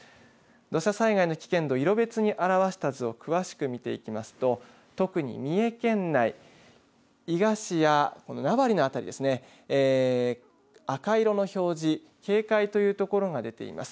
土砂災害の危険度色別に表した図を詳しく見ていきますと特に三重県内、伊賀市や名張の辺り、赤色の表示、警戒というところが出ています。